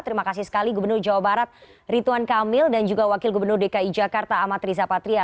terima kasih sekali gubernur jawa barat rituan kamil dan juga wakil gubernur dki jakarta amat riza patria